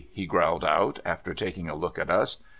" he growled out, after taking a look at us.